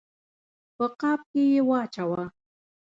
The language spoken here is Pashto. په غاب کي یې واچوه !